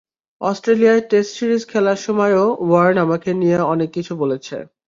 অস্ট্রেলিয়ায় test series খেলার সময়ও ওয়ার্ন আমাকে নিয়ে অনেক কিছু বলেছে।